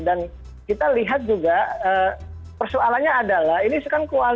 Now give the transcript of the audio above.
dan kita lihat juga persoalannya adalah ini sekarang keluar